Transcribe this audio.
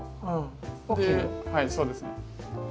はいそうですね。